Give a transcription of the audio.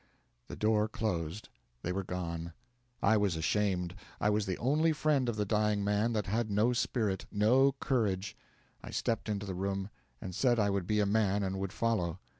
The door closed; they were gone. I was ashamed: I was the only friend of the dying man that had no spirit, no courage. I stepped into the room, and said I would be a man and would follow.